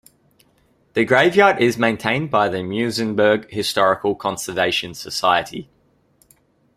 The graveyard is maintained by the Muizenberg Historical Conservation Society.